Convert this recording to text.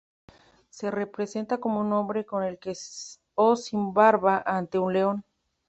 Se representa como un hombre con o sin barba ante un león.